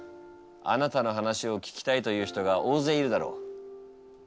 あなたの話を聞きたいという人が大勢いるだろう。